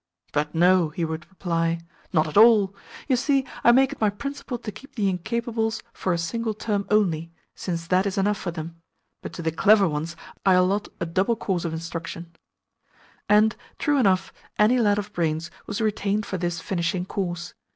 "But no," he would reply. "Not at all. You see, I make it my principle to keep the incapables for a single term only, since that is enough for them; but to the clever ones I allot a double course of instruction." And, true enough, any lad of brains was retained for this finishing course.